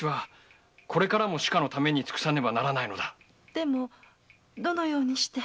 でもどのようにして？